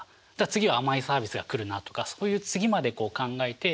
「次は甘いサービスが来るな」とかそういう次までこう考えて。